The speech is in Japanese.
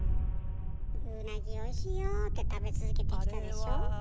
「ウナギおいしいよ」って食べ続けてきたでしょ？